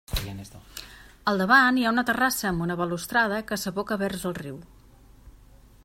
Al davant hi ha una terrassa amb una balustrada que s'aboca vers el riu.